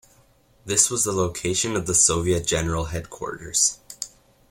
This was the location of the Soviet general headquarters.